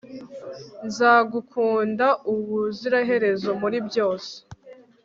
nzagukunda ubuziraherezo muri byose